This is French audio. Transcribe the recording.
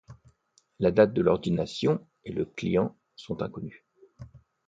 La date de l'ordination et le client sont inconnues.